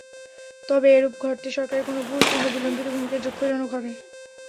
তবে এরূপ ঘটতে সরকারের কোনো ভুল কিংবা বিলম্বিত ভূমিকা দুঃখজনক হবে।